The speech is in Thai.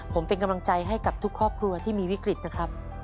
ผมเป็นกำลังใจให้กับทุกครอบครัวที่มีวิกฤตนะครับ